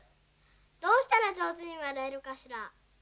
どうしたらじょうずにわれるかしら？